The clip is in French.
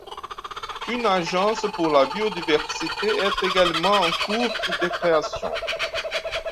Une Agence pour la biodiversité est également en cours de création.